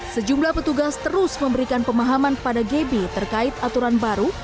sejumlah petugas terus memberikan pemahaman kepada gb terkait aturan baru